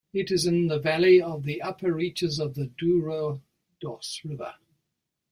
It is in the valley of the upper reaches of the Dourados River.